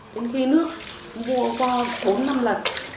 đến khi nước vo bốn năm lần